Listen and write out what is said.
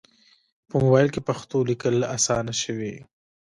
په موبایل کې پښتو لیکل اسانه شوي.